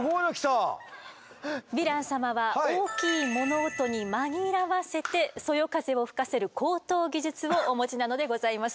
ヴィラン様は大きい物音に紛らわせてそよ風を吹かせる高等技術をお持ちなのでございます。